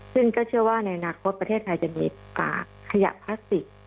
ซึ่งก็เชื่อว่าในอนาคตประเทศไทยจะมีขยะพลาสติก